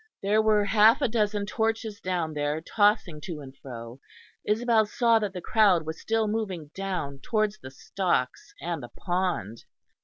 There were half a dozen torches down there, tossing to and fro; Isabel saw that the crowd was still moving down towards the stocks and the pond.